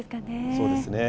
そうですね。